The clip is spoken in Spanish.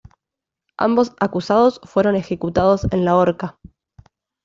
Ambos acusados fueron ejecutados en la horca.